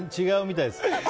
違うみたいです。